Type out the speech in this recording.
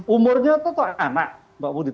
umurnya tetap anak pak putri